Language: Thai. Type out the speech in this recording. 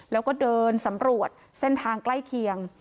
แล้วก็เดินสำรวจเส้นทางใกล้เคียง